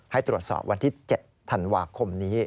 ให้ตรวจสอบวันที่๗ธันวาคมนี้